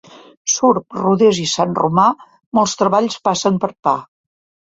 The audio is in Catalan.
Surp, Rodés i Sant Romà molts treballs passen per pa.